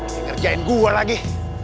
ngekerjain gue lagi